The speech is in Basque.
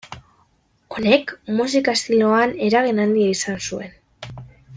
Honek, musika estiloan eragin handia izan zuen.